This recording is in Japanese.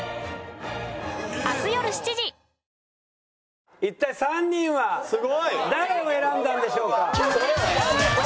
続く一体３人は誰を選んだんでしょうか？